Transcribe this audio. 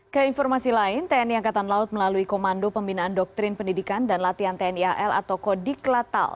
ke informasi lain tni angkatan laut melalui komando pembinaan doktrin pendidikan dan latihan tni al atau kodik latal